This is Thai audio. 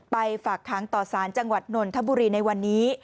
ฝากค้างต่อสารจังหวัดนนทบุรีในวันนี้